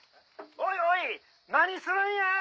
「おいおい何するんや！」